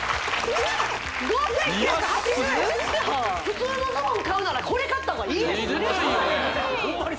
普通のズボン買うならこれ買った方がいいですホンマ